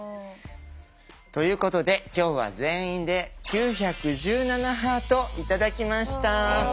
ということで今日は全員で９１７ハート頂きました。